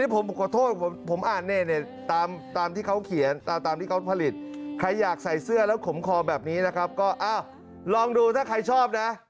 ผมขอโทษผมอ่านตามที่เขาเขียนตามที่เขาผลิตใครอยากใส่เสื้อแล้วขมคอแบบนี้นะครับก็ลองดูถ้าใครชอบนะ